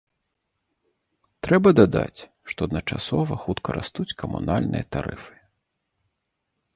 Трэба дадаць, што адначасова хутка растуць камунальныя тарыфы.